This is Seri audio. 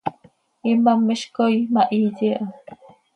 Imám hizcoi ma hiiye ha.